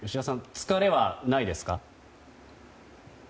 疲れはないですか？